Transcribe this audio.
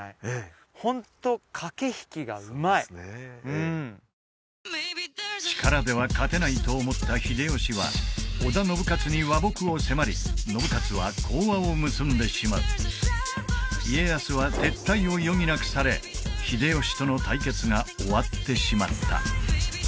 ホント力では勝てないと思った秀吉は織田信雄に和睦を迫り信雄は講和を結んでしまう家康は撤退を余儀なくされ秀吉との対決が終わってしまった